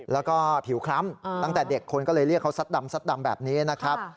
แล้วก็ผิวคล้ำตั้งแต่เด็กคนก็เลยเรียกเขาซัดดำซัดดำแบบนี้นะครับ